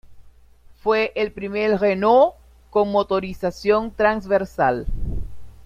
Fue el primer Renault con motorización transversal.